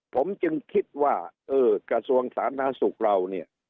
ผมจึงคิดว่ากระทรวงศาลนาศุกร์เรา